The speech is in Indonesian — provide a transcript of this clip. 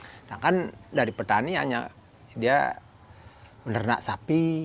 sedangkan dari petani hanya dia menernak sapi